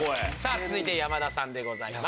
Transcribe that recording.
続いて山田さんでございます。